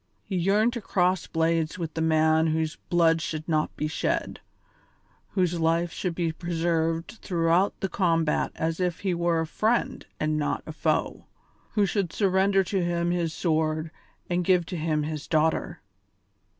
He yearned to cross blades with the man whose blood should not be shed, whose life should be preserved throughout the combat as if he were a friend and not a foe, who should surrender to him his sword and give to him his daughter.